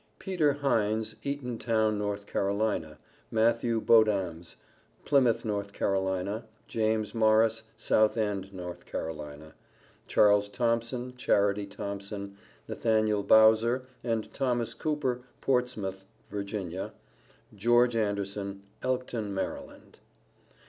PETER HEINES, Eatontown, North Carolina; MATTHEW BODAMS, Plymouth, North Carolina; JAMES MORRIS, South End, North Carolina; CHARLES THOMPSON, CHARITY THOMPSON, NATHANIEL BOWSER, and THOMAS COOPER, Portsmouth, Virginia; GEORGE ANDERSON, Elkton, Maryland.